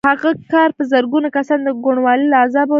د هغه کار به زرګونه کسان د کوڼوالي له عذابه وژغوري